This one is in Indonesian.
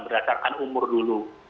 berdasarkan umur dulu